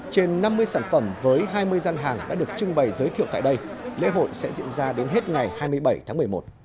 trên năm mươi sản phẩm với hai mươi gian hàng đã được trưng bày giới thiệu tại đây lễ hội sẽ diễn ra đến hết ngày hai mươi bảy tháng một mươi một